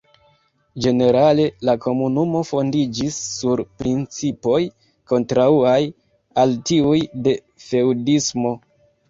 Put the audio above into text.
Ĝenerale la Komunumo fondiĝis sur principoj kontraŭaj al tiuj de feŭdismo.